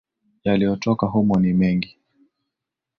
yaliyotoka humo ni mengi